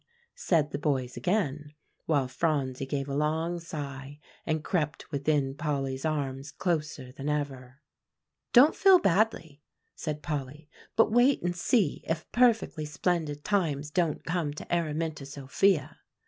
said the boys again; while Phronsie gave a long sigh, and crept within Polly's arms closer than ever. "Don't feel badly," said Polly; "but wait and see if perfectly splendid times don't come to Araminta Sophia.